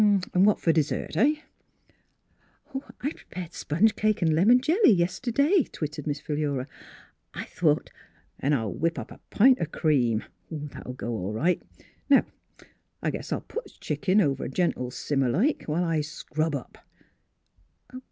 An' what fer dessert — heh?" " I prepared sponge cake and lemon jelly, yesterday," twittered Miss Philura, " I thought —"" An' I'll whip up a pint o' cream — that'll go all right. Now I guess I '11 put th' chicken over t' simmer gentle like, while I scrub up."